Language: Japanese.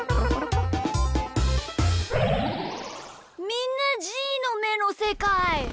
みんなじーのめのせかい。